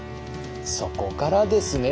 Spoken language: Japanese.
そこからですね！